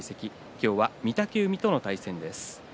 今日は御嶽海との対戦です。